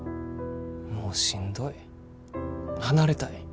もうしんどい離れたい。